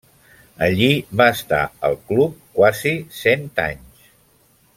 Allí va estar el Club quasi cent anys.